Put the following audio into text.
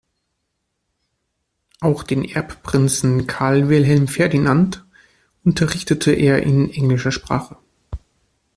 Auch den Erbprinzen Karl Wilhelm Ferdinand unterrichtete er in englischer Sprache.